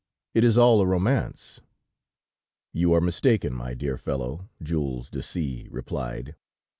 "It is all a romance." "You are mistaken, my dear fellow," Jules de C replied.